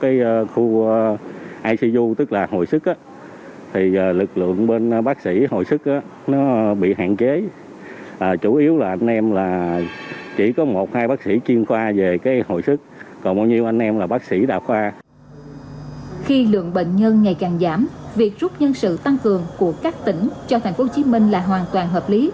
khi lượng bệnh nhân ngày càng giảm việc rút nhân sự tăng cường của các tỉnh cho tp hcm là hoàn toàn hợp lý